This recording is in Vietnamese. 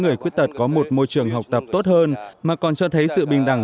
người khuyết tật có một môi trường học tập tốt hơn mà còn cho thấy sự bình đẳng